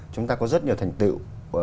chúng ta có rất nhiều thành tựu